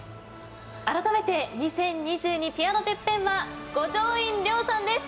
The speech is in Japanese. あらためて２０２２ピアノＴＥＰＰＥＮは五条院凌さんです。